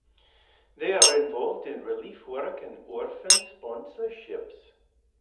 They are involved in relief work and orphan sponsorships.